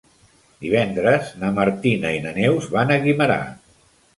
Divendres na Martina i na Neus van a Guimerà.